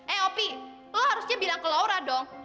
eh opi lo harusnya bilang ke laura dong